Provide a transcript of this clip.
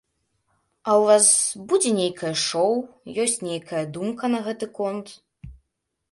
А ў вас будзе нейкае шоў, ёсць нейкая думка на гэты конт?